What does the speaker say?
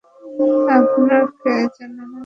আপনাকে জানানোর কোন সুযোগই পাই নি।